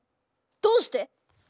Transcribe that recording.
どうして？